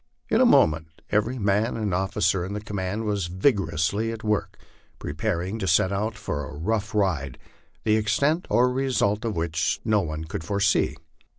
tn a moment every man and officer in the command was vigorously at work preparing to set out for a rough ride, the extent or result of which no one could foresee.